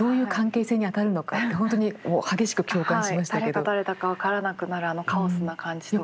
誰が誰だか分からなくなるあのカオスな感じとか。